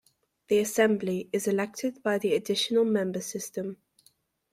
The Assembly is elected by the Additional Member System.